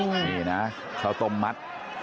นี่นะข้าวต้มมัด